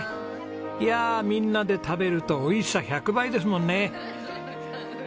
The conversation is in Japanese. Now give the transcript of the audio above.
いやあみんなで食べると美味しさ１００倍ですもんね。